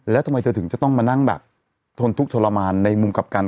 แล้วทำไมเธอถึงจะต้องมานั่งแบบทนทุกข์ทรมานในมุมกลับกัน